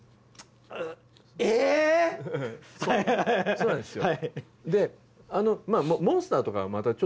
そうなんですよ。